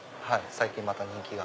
最近また人気が。